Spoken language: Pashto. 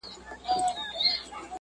ډېري خبري د کتاب ښې دي.